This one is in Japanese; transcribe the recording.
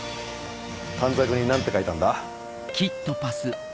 短冊に何て書いたんだ？